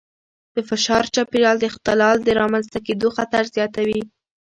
د فشار چاپېریال د اختلال د رامنځته کېدو خطر زیاتوي.